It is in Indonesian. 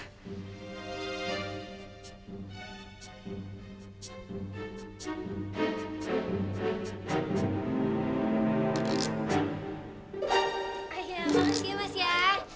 ayah makasih ya mas ya